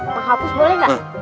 pak hapus boleh gak